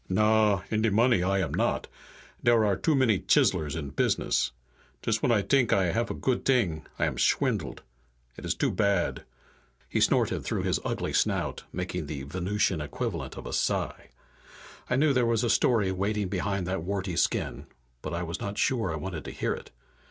"Na, in de money I am not. Dere are too many chiselers in business. Just when I t'ink I haf a goot t'ing, I am shwindeled. It is too bad." He snorted through his ugly snout, making the Venusian equivalent of a sigh. I knew there was a story waiting behind that warty skin, but I was not sure I wanted to hear it.